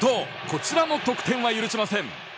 こちらも得点は許しません。